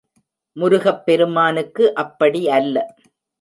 முருகப்பெருமானுக்கு அப்படி அல்ல.